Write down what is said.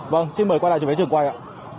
vâng xin mời quay lại trường quay ạ